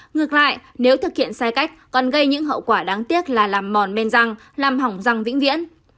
ngược lại nếu thực hiện sai cách còn gây những hậu quả đáng tiếc là làm mòn men răng làm hỏng răng vĩnh viễn